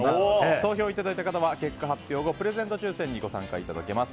投票いただいた方は結果発表後プレゼント抽選にご参加いただけます。